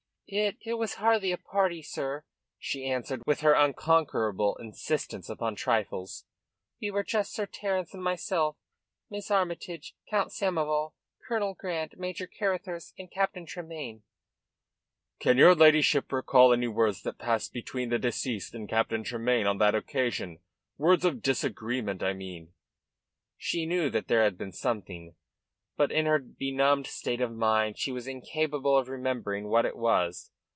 "It it was hardly a party, sir," she answered, with her unconquerable insistence upon trifles. "We were just Sir Terence and myself, Miss Armytage, Count Samoval, Colonel Grant, Major Carruthers and Captain Tremayne." "Can your ladyship recall any words that passed between the deceased and Captain Tremayne on that occasion words of disagreement, I mean?" She knew that there had been something, but in her benumbed state of mind she was incapable of remembering what it was.